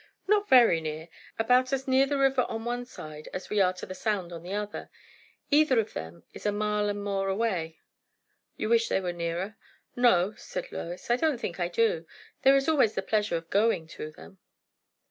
"Not very near. About as near the river on one side as we are to the Sound on the other; either of them is a mile and more away." "You wish they were nearer?" "No," said Lois; "I don't think I do; there is always the pleasure of going to them."